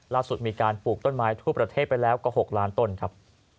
ล่าสุดมีการปลูกต้นไม้ทั่วประเทศไปแล้วกว่า๖ล้านต้นครับ